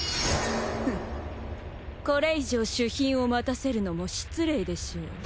フッこれ以上主賓を待たせるのも失礼でしょう。